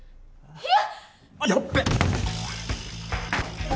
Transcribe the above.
えっ！？